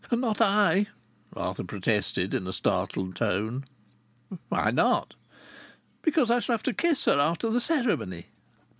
"Not I!" Arthur protested in a startled tone. "Why not?" "Because I shall have to kiss her after the ceremony."